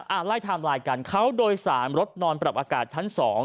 ไล่ไทม์ไลน์กันเขาโดยสารรถนอนปรับอากาศชั้นสอง